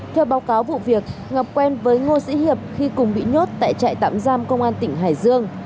theo báo cáo vụ việc ngọc quen với ngô sĩ hiệp khi cùng bị nhốt tại trại tạm giam công an tỉnh hải dương